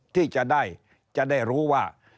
ที่จะได้จะได้รู้ว่า